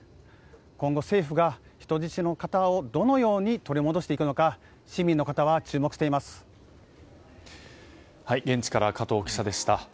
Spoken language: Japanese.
今後、政府が人質をどのように取り戻していくのか現地から加藤記者でした。